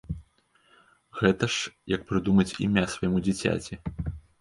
Гэта ж як прыдумаць імя свайму дзіцяці!